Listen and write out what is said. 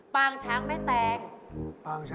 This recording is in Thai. ปางช้างแม่แตง